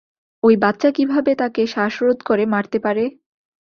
ওই বাচ্চা কীভাবে তাকে শ্বাসরোধ করে মারতে পারে?